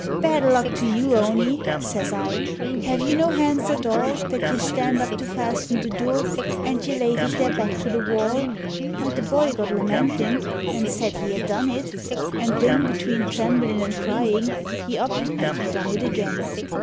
" Bad luck to you, Owny !" says I, " have you no hands at all That y' stand up to fasten the dure, an' y' lave it there back to the wall ? 86 MAURY'S VISION An' the boy got lamenting an' said he had done it, an' thin Between tremblin' an' cryin' he upped an' he done it agin.